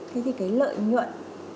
thế thì cái lợi nhuận